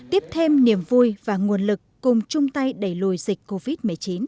tiếp thêm niềm vui và nguồn lực cùng chung tay đẩy lùi dịch covid một mươi chín